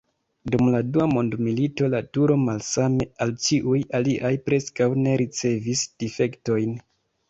Dum la Dua mondmilito la turo, malsame al ĉiuj aliaj, preskaŭ ne ricevis difektojn.